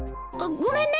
ごめんね。